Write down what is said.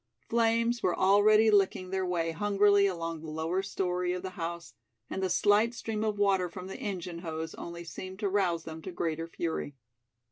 Flames were already licking their way hungrily along the lower story of the house, and the slight stream of water from the engine hose only seemed to rouse them to greater fury.